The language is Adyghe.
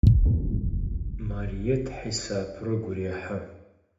Marıêt hisapır ıgu rêhı.